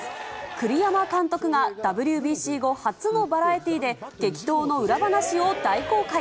栗山監督がＷＢＣ後、初のバラエティーで、激闘の裏話を大公開。